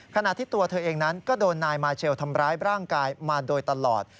ขณะที่ตัวเธอเองนั้นก็โดนนายมาเชลทำร้ายร่างกายมาโดยตลอด